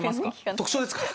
特徴ですか？